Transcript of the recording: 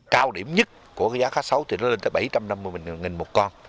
cao điểm nhất của giá cá sấu thì nó lên tới bảy trăm năm mươi một con